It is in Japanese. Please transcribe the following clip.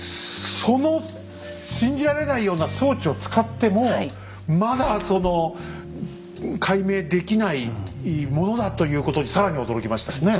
その信じられないような装置を使ってもまだその解明できないものだということに更に驚きましたよね。